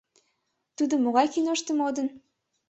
— Тудо могай киношто модын?